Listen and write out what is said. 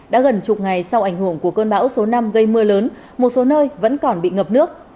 đã gần chục ngày sau ảnh hưởng của cơn bão số năm gây mưa lớn một số nơi vẫn còn bị ngập nước